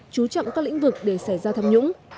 chú trọng các lĩnh vực để xảy ra tham nhũng